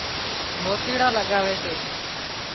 موتيڙان لڳاوي سي